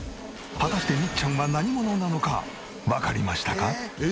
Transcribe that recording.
果たしてみっちゃんは何者なのかわかりましたか？